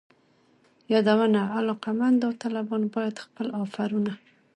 یادونه: علاقمند داوطلبان باید خپل آفرونه